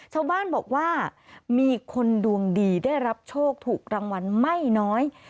ชาวบ้านบอกว่ามีคนดวงดีได้รับโชคถูกรางวัลไม่น้อย